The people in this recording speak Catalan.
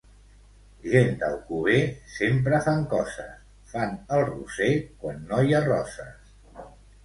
Gent d'Alcover, sempre fan coses: fan el Roser quan no hi ha roses.